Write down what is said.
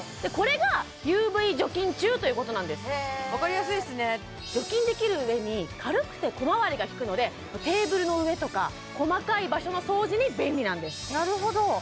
これがＵＶ除菌中ということなんですへえ分かりやすいっすね除菌できるうえに軽くて小回りが利くのでテーブルの上とか細かい場所の掃除に便利なんですなるほど！